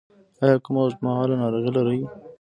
ایا کومه اوږدمهاله ناروغي لرئ؟